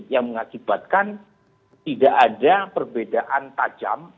yang mengakibatkan tidak ada perbedaan tajam